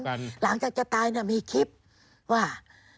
หลังจากจะตายเนี่ยมีคลิปว่า